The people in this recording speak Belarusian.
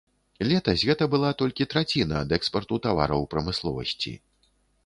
Летась гэта была толькі траціна ад экспарту тавараў прамысловасці.